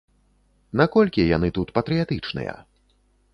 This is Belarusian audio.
Наколькі яны тут патрыятычныя?